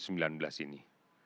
ini permasalahan kita berpikir